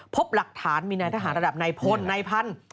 พบหลักฐานมีในทหารระดับในพลในพันธุ์